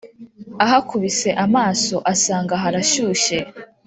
ahakubise amaso, asanga harashyushye,